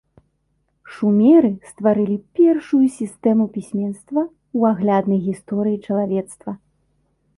Шумеры стварылі першую сістэму пісьменства ў агляднай гісторыі чалавецтва.